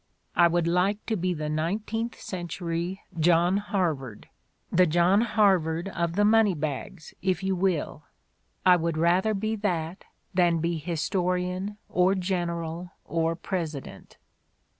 I would like to be the nineteenth century John Harvard — the John Harvard of the Money Bags, if you will. I would rather be that than be Historian or General or President."